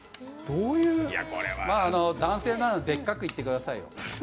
男性ならでっかくいってくださいよ。